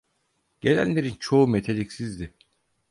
Gelenlerin çoğu meteliksizdi.